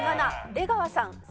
７出川さん